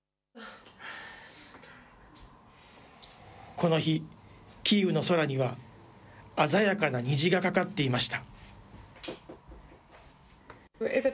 この日、キーウの空には鮮やかな虹がかかっていました。